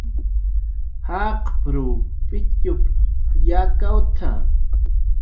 "Jaqp""rw p""itx""q yakawt""a "